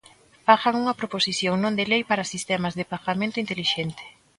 Fagan unha proposición non de lei para sistemas de pagamento intelixente.